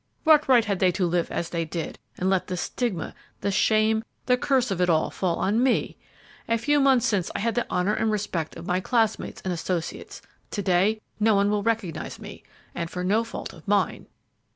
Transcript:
What right had they to live as they did, and let the stigma, the shame, the curse of it all fall on me? A few months since I had the honor and respect of my classmates and associates; to day, not one will recognize me, and for no fault of mine!"